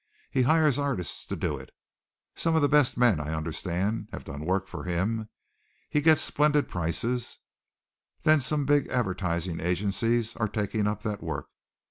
He hires artists to do it. Some of the best men, I understand, have done work for him. He gets splendid prices. Then some of the big advertising agencies are taking up that work.